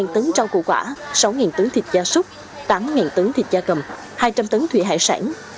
một mươi tấn rau củ quả sáu tấn thịt gia súc tám tấn thịt gia cầm hai trăm linh tấn thủy hải sản